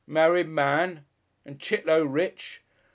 Merried man! And Chit'low rich!